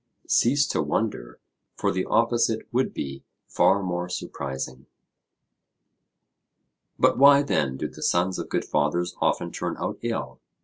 Cease to wonder, for the opposite would be far more surprising. But why then do the sons of good fathers often turn out ill?